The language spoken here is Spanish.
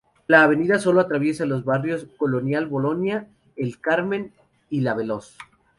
La avenida sólo atraviesa los barrios, Colonial Bolonia, El Carmen y La Veloz.